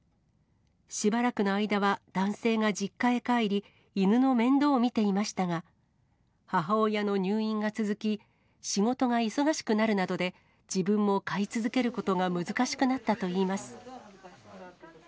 しばらくの間は男性が実家へ帰り、犬の面倒を見ていましたが、母親の入院が続き、仕事が忙しくなるなどで、自分も飼い続けることが難しくなったといいます。